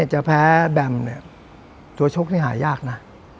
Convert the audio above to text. จะแพ้แบมเนี่ยตัวชกนี่หายากนะ